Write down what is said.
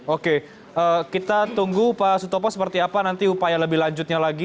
oke kita tunggu pak sutopo seperti apa nanti upaya lebih lanjutnya lagi